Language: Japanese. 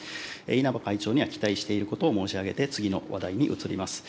稲葉会長には期待していることを申し上げて、次の話題に移ります。